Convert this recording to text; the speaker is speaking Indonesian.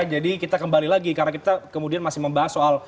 jadi kita kembali lagi karena kita kemudian masih membahas soal